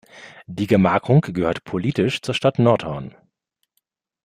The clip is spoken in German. Die Gemarkung gehört politisch zur Stadt Nordhorn.